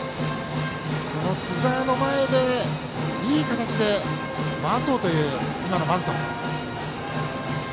その津澤の前でいい形で回そうという今のバント。